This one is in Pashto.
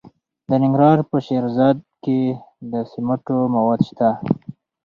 د ننګرهار په شیرزاد کې د سمنټو مواد شته.